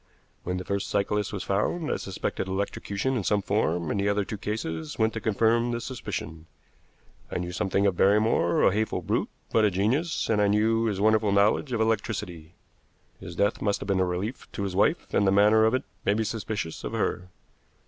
When the first cyclist was found, I suspected electrocution in some form, and the other two cases went to confirm the suspicion. I knew something of Barrymore, a hateful brute but a genius, and I knew his wonderful knowledge of electricity. His death must have been a relief to his wife, and the manner of it made me suspicious of her.